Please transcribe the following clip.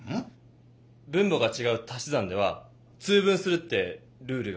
分母がちがうたし算では通分するってルールがあるんです。